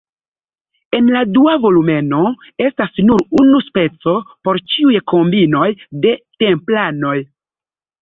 En la dua volumeno estas nur unu speco por ĉiuj kombinoj de templanoj.